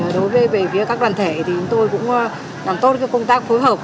đối với các đoàn thể thì tôi cũng làm tốt công tác phối hợp